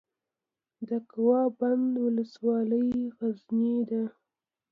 د کوه بند ولسوالۍ غرنۍ ده